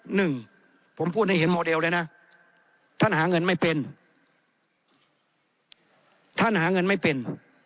หนึ่งผมพูดให้เห็นโมเดลเลยนะท่านหาเงินไม่เป็น